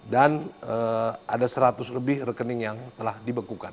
dan ada seratus lebih rekening yang telah dibekukan